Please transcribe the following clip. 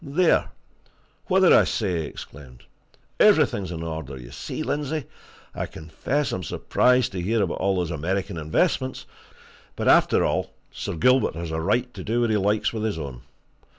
"There! what did I say?" he exclaimed. "Everything is in order, you see, Lindsey! I confess I'm surprised to hear about those American investments; but, after all, Sir Gilbert has a right to do what he likes with his own.